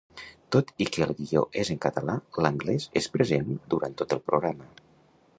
Tot i que el guió és en català, l'anglès és present durant tot el programa.